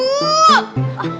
oh ya eh tunggu